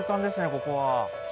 ここは！